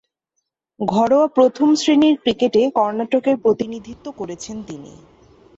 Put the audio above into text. ঘরোয়া প্রথম-শ্রেণীর ক্রিকেটে কর্ণাটকের প্রতিনিধিত্ব করেছেন তিনি।